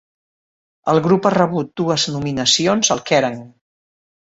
El grup ha rebut dues nominacions al Kerrang!